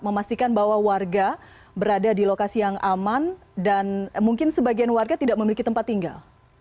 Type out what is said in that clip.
memastikan bahwa warga berada di lokasi yang aman dan mungkin sebagian warga tidak memiliki tempat tinggal